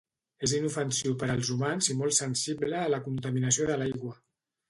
És inofensiu per als humans i molt sensible a la contaminació de l'aigua.